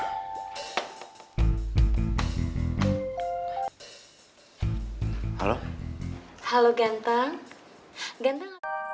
kau mau kemana